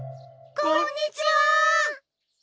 こんにちは！